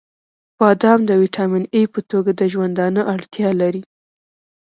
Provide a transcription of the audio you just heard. • بادام د ویټامین ای په توګه د ژوندانه اړتیا لري.